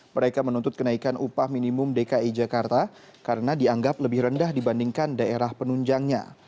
mereka menuntut kenaikan upah minimum dki jakarta karena dianggap lebih rendah dibandingkan daerah penunjangnya